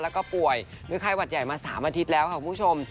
แล้วก็ป่วยหรือไข้หวัดใหญ่มา๓อาทิตย์แล้วค่ะคุณผู้ชม